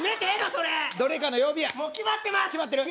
それどれかの曜日やもう決まってます